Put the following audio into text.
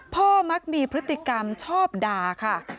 มักมีพฤติกรรมชอบด่าค่ะ